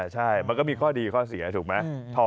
ใช่มันก็มีข้อดีข้อเสียถูกไหม